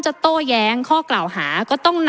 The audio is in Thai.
ประเทศอื่นซื้อในราคาประเทศอื่น